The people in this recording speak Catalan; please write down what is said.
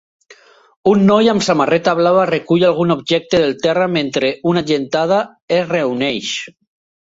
Un noi amb una samarreta blava recull algun objecte del terra mentre una gentada es reuneix.